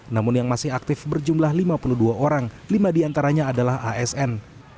namun yang masih aktif berjumlah lima puluh dua orang lima diantaranya adalah asn